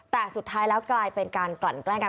แต่สุดท้ายแล้วกลายเป็นการกลั่นแกล้งกัน